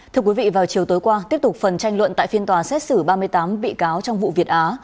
thưa quý vị vào chiều tối qua tiếp tục phần tranh luận tại phiên tòa xét xử ba mươi tám bị cáo trong vụ việt á